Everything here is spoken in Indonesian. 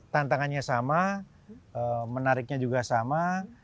tantangannya sama menariknya juga sama